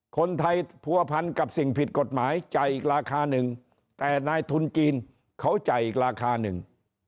คนไทยผัวพันกับสิ่งผิดกฎหมายจ่ายอีกราคาหนึ่งแต่นายทุนจีนเขาจ่ายอีกราคาหนึ่ง